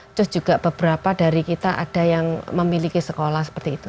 terus juga beberapa dari kita ada yang memiliki sekolah seperti itu